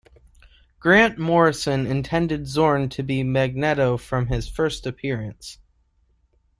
Grant Morrison intended Xorn to be Magneto from his first appearance.